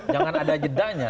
jangan ada jedanya